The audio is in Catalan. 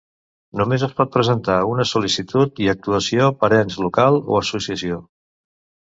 Només es pot presentar una sol·licitud i actuació per ens local o associació.